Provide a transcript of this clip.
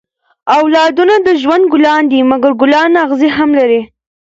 اولادونه د ژوند ګلان دي؛ مکر ګلان اغزي هم لري.